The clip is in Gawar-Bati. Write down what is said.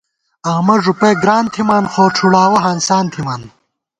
آمہ ݫُپَئیک گران تھِمان خو ڄُھوڑاوَہ ہانسان تھِمان